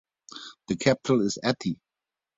The capital is Ati.